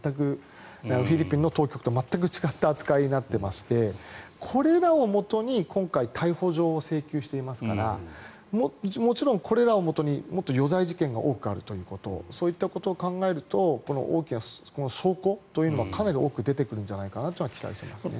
フィリピンの当局と全く違った扱いになっていましてこれらをもとに今回逮捕状を請求していますからもちろん、これらをもとに余罪事件がもっとあるということそういったことを考えると証拠というのはかなり多く出てくるんじゃないかなと期待されますね。